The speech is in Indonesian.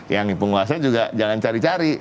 yang penguasa juga jangan cari cari